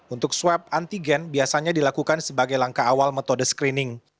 untuk swab antigen biasanya dilakukan sebagai langkah awal metode screening